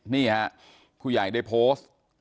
นี่ฮะผู้ใหญ่ได้โพสต์